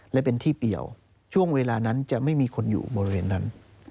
และเป็นที่เปี่ยวช่วงเวลานั้นจะไม่มีคนอยู่บริเวณนั้น